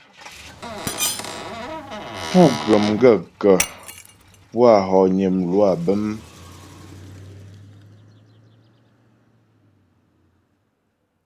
Pú ghə̀ m gaə̂kə́ pú a hɔgnə mlwâ bə̂m ?